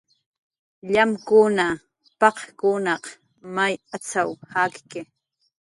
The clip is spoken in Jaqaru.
"Llamkuna, paq""kunaq may atz'aw jakki"